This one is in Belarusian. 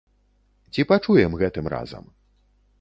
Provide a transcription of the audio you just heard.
Ці пачуем гэтым разам?